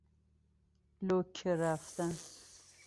لکه رفتن